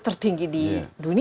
tertinggi di dunia